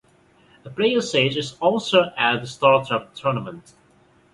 A player's age is also at the start of the tournament.